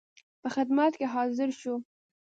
په خدمت کې حاضر شو.